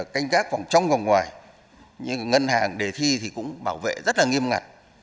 các vòng trong và ngoài như ngân hàng đề thi thì cũng bảo vệ rất là nghiêm ngặt